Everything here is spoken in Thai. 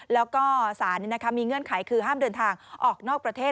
แล้วก็สารมีเงื่อนไขคือห้ามเดินทางออกนอกประเทศ